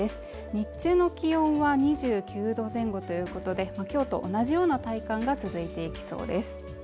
日中の気温は２９度前後ということで今日と同じような体感が続いていきそうです